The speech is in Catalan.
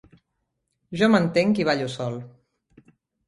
Jo m'entenc i ballo sol